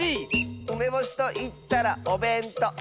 「うめぼしといったらおべんとう！」